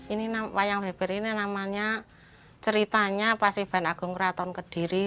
ini wayang beber ini namanya ceritanya pasiban agung keraton kediri